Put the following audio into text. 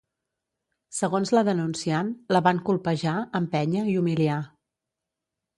Segons la denunciant, la van colpejar, empènyer i humiliar.